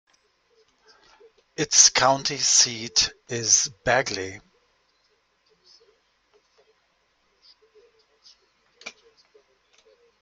Its county seat is Bagley.